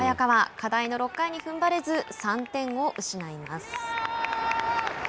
課題の６回にふんばれず３点を失います。